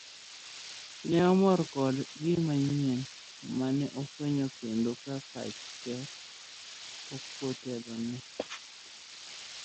Ne omor koda gima nyien mane ofwenyo kendo ka pacho okotelone.